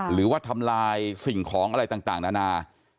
หรือว่าทำลายสิ่งของอะไรต่างนานา